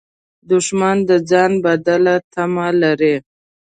دښمن د ځان بدل تمه لري